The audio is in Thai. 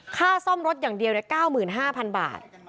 ค่าซ่อมรถอย่างเดียว๙๕๐๐๐บาท